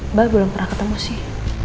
mbak belum pernah ketemu sih